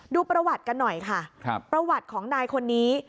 ดูประวัติกันหน่อยค่ะประวัติของนายคนนี้